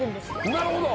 なるほど！